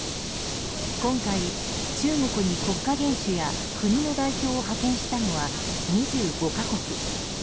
今回、中国に国家元首や国の代表を派遣したのは２５か国。